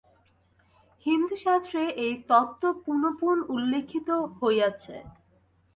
হিন্দুশাস্ত্রে এই তত্ত্ব পুনঃপুন উল্লিখিত হইয়াছে।